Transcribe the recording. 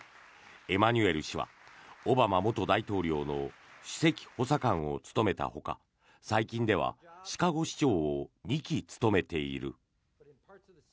エマニュエル氏はオバマ元大統領の首席補佐官を務めたほか最近ではシカゴ市長を２期務めている。